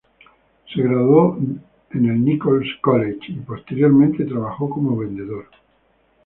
Se graduó de Nichols College y posteriormente trabajó como vendedor.